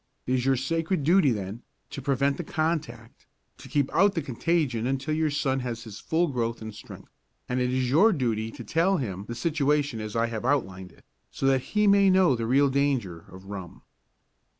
It is your sacred duty, then, to prevent the contact, to keep out the contagion until your son has his full growth and strength, and it is your duty to tell him the situation as I have outlined it, so that he may know the real danger of rum.